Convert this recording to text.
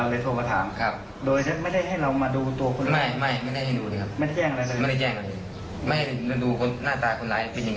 เราก็ได้วิญญาณพ่อไปเข้าฝันว่าจับคนร้ายได้แล้ว